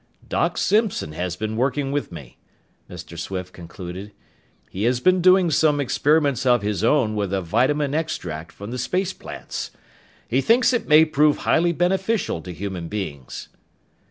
"Doc Simpson has been working with me," Mr. Swift concluded. "He has been doing some experiments of his own with a vitamin extract from the space plants. He thinks it may prove highly beneficial to human beings."